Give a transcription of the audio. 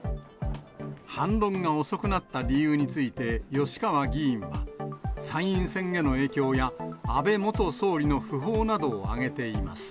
反論が遅くなった理由について、吉川議員は、参院選への影響や、安倍元総理の訃報などを挙げています。